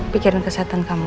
pikirin kesehatan kamu ya